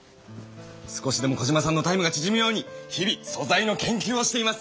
少しでもコジマさんのタイムがちぢむように日々素材の研究をしています！